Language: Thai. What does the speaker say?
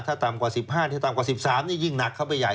ถ้าตามกว่า๑๕ถ้าตามกว่า๑๓ยิ่งหนักเข้าไปใหญ่